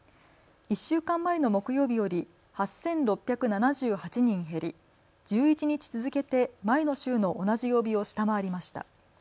１週間前の木曜日より８６７８人減り１１日続けて前の週の同じ曜日を下回りました。